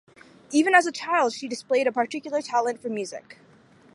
Even as a child she displayed a particular talent for music.